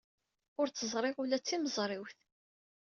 Ur tt-ẓriɣ ara ula d timeẓriwt.